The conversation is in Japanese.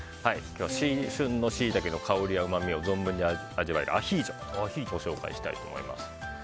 旬のシイタケのうまみや香りを存分に味わえるアヒージョをご紹介したいと思います。